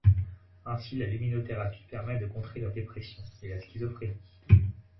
Ainsi, la luminothérapie permet de contrer la dépression et la schizophrénie.